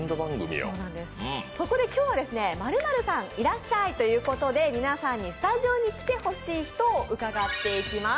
そこで今日は「○○さんいらっしゃい！」ということで皆さんにスタジオに来てほしい人を伺っていきます。